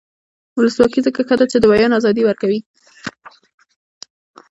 ولسواکي ځکه ښه ده چې د بیان ازادي ورکوي.